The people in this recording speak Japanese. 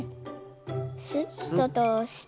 スッととおして。